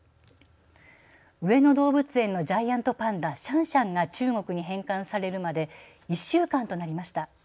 上野動物園のジャイアントパンダ、シャンシャンが中国に返還されるまで１週間となりました。